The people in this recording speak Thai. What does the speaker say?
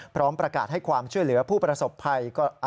พร้อมประกาศให้ความช่วยเหลือผู้ประสบภัย